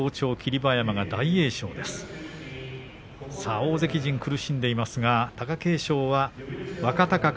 大関陣、苦しんでいますが貴景勝は若隆景。